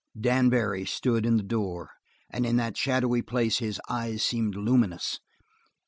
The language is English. Dan Barry stood in the door and in that shadowy place his eyes seemed luminous.